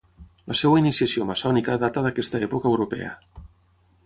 La seva iniciació maçònica data d'aquesta època europea.